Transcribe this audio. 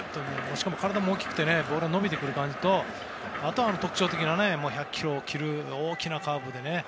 しかも、体も大きくて伸びてくる感じとあとは特徴的な１００キロを切る大きなカーブで。